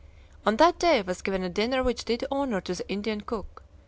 On that day was given a dinner which did honor to the Indian cook.